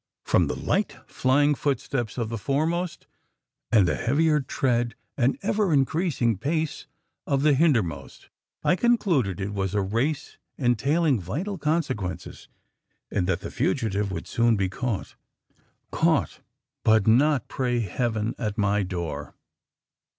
"From the light, flying footsteps of the foremost, and the heavier tread and ever increasing pace of the hindermost, I concluded it was a race entailing vital consequences, and that the fugitive would soon be caught. Caught! but not, pray Heaven! at my door.